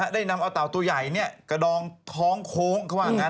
ได้นำเอาเตาตัวใหญ่กระดองท้องโค้ง